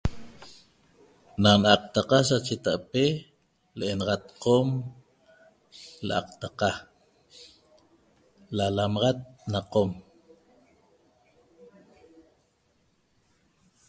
Na n'aqtaqa sachetape l'enaxat qom l'aqtaqa lalamaxat na qom